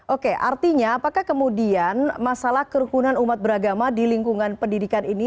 oke artinya apakah kemudian masalah kerukunan umat beragama di lingkungan pendidikan ini